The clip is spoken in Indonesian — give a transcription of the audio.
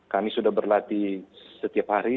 kami sudah berlatih setiap hari